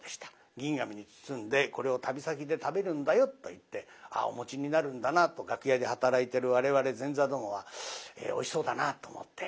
銀紙に包んで「これを旅先で食べるんだよ」と言ってお持ちになるんだなと楽屋で働いている我々前座どもはおいしそうだなと思って。